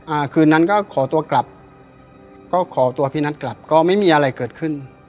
อ่าคืนนั้นก็ขอตัวกลับก็ขอตัวพี่นัทกลับก็ไม่มีอะไรเกิดขึ้น